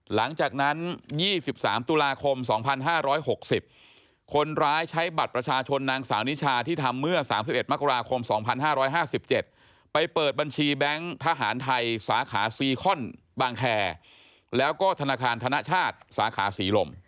หลังจากนั้น๒๓ตุลาคม๒๕๖๐คนร้ายใช้บัตรประชาชนนางสาวนิชาที่ทำเมื่อ๓๑มกราคม๒๕๕๗ไปเปิดบัญชีแบงค์ทหารไทยสาขาซีคอนบางแคแล้วก็ธนาคารธนชาติสาขาศรีลม